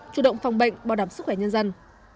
chủ động phòng bệnh bảo đảm sức khỏe nhân dân